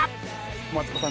マツコさん